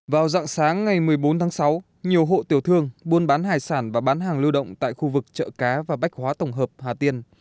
vào dạng sáng ngày một mươi bốn tháng sáu nhiều hộ tiểu thương buôn bán hải sản và bán hàng lưu động tại khu vực chợ cá và bách hóa tổng hợp hà tiên